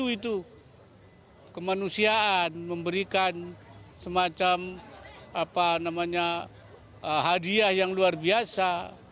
itu kemanusiaan memberikan semacam hadiah yang luar biasa